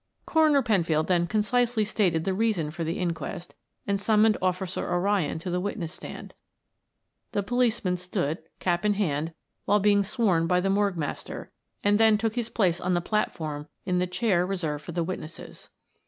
Coroner Penfield then concisely stated the reason for the inquest and summoned Officer O'Ryan to the witness stand. The policeman stood, cap in hand, while being sworn by the morgue master, and then took his place on the platform in the chair reserved for the witnesses.